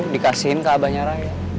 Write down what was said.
dikasihin ke abah nyaranya